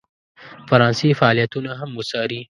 فرانسې فعالیتونه هم وڅاري.